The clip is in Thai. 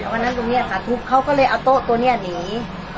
วันนั้นตรงเนี้ยค่ะพรุ่งเขาก็เลยเอาโต๊ะตัวเนี้ยหนี